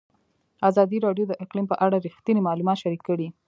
ازادي راډیو د اقلیم په اړه رښتیني معلومات شریک کړي.